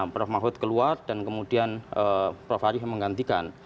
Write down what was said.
prof mahfud keluar dan kemudian prof arief menggantikan